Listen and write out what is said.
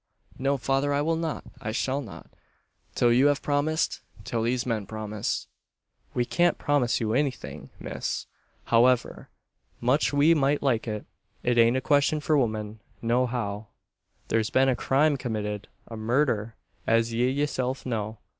"No, father, I will not I shall not till you have promised till these men promise " "We can't promise you anything, miss however much we might like it. It ain't a question for women, no how. There's been a crime committed a murder, as ye yourself know.